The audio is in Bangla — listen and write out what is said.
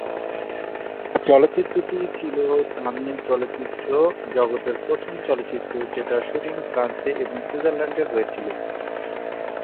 চলচ্চিত্রটি ছিলো তামিল চলচ্চিত্র জগতের প্রথম চলচ্চিত্র যেটার শুটিং ফ্রান্স এবং সুইজারল্যান্ডে হয়েছিলো।